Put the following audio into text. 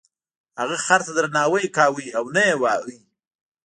هغه خر ته درناوی کاوه او نه یې واهه.